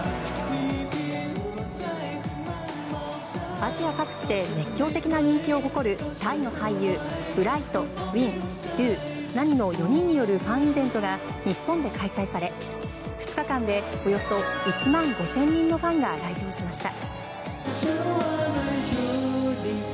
アジア各地で熱狂的な人気を誇るタイの俳優ブライト、ウィンデュー、ナニの４人によるファンイベントが日本で開催され２日間でおよそ１万５０００人のファンが来場しました。